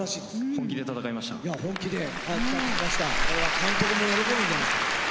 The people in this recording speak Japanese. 監督も喜ぶんじゃない？